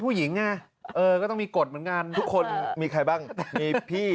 ผู้หญิงไงเออก็ต้องมีกฎเหมือนกันทุกคนมีใครบ้างมีพี่